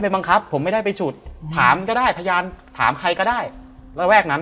บังคับผมไม่ได้ไปฉุดถามก็ได้พยานถามใครก็ได้ระแวกนั้น